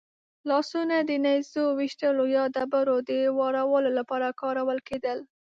لاسونه د نېزو ویشتلو یا ډبرو د وارولو لپاره کارول کېدل.